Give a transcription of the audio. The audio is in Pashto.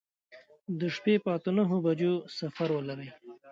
د شپې په اته نهو بجو سفر ولرئ.